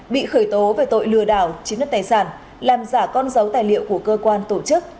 bị khởi tố về tội lừa đảo chiếm đất tài sản làm giả con dấu tài liệu của cơ quan tổ chức